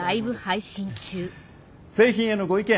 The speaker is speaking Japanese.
製品へのご意見